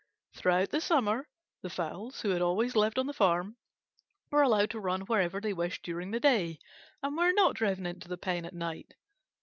Throughout the summer the fowls who had always lived on the farm were allowed to run wherever they wished during the day, and were not driven into the pen at night.